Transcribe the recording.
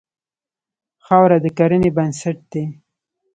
خاوره د کرنې بنسټ دی.